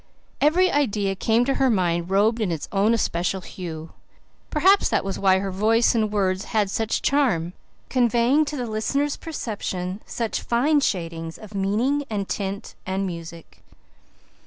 Every idea came to her mind robed in its own especial hue. Perhaps that was why her voice and words had such a charm, conveying to the listeners' perception such fine shadings of meaning and tint and music.